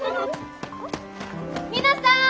皆さん！